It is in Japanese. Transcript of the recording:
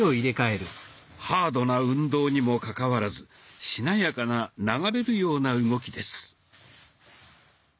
ハードな運動にもかかわらずしなやかな流れるような動きです。